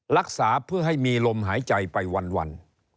รักษาเพื่อให้มีลมหายใจไปวัน